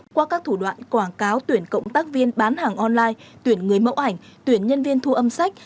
qua các thủ đoạn quảng cáo tuyển cộng tác viên bán hàng online tuyển người mẫu ảnh tuyển nhân viên thu âm sách